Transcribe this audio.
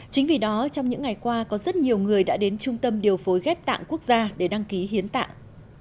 chính vì đó trong những ngày qua có rất nhiều người đã đến trung tâm điều phối ghép tạng quốc gia để đăng ký hiến tạng